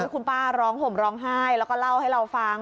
คุณป้าร้องห่มร้องไห้แล้วก็เล่าให้เราฟัง